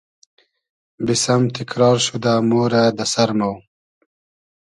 بیسئم تیکرار شودۂ مۉرۂ دۂ سئر مۉ